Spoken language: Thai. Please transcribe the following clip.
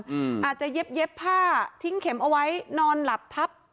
อาจจะเย็บเย็บผ้าทิ้งเข็มเอาไว้นอนหลับทับ